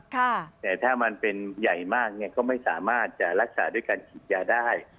แต่ถ้ามันเป็นใหญ่มากเนี่ยก็ไม่สามารถจะรักษาด้วยการฉีดยาได้